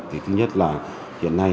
thứ nhất là hiện nay